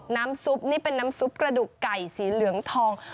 น้ำซุปนี่เป็นน้ำซุปกระดูกไก่สีเหลืองทอง